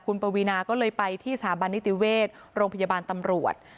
คุณประวีราก็เลยไปที่สามารถนิตเวศโรงพยาบาลตำรวจ